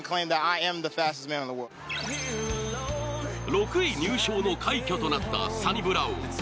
６位入賞の快挙となったサニブラウン。